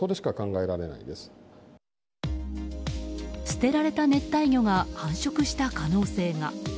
捨てられた熱帯魚が繁殖した可能性が。